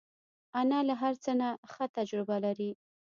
انا له هر څه نه ښه تجربه لري